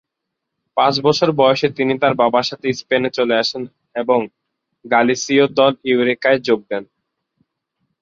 পাঁচ বছর বয়সে তিনি তার বাবার সাথে স্পেনে চলে আসেন এবং গালিসীয় দল ইউরেকায় যোগ দেন।